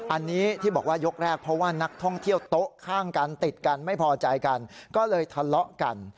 อันนี้ที่บอกว่ายกแรกเพราะว่านักท่องเที่ยวโต๊ะข้างกันติดกันไม่พอใจกันก็เลยทะเลาะกัน